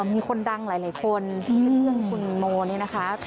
มีคนดังหลายคนที่เรื่องคุณโมเนี่ยนะคะ